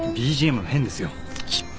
ＢＧＭが変ですよ。